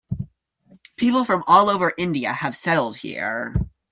People from all over India have settled here.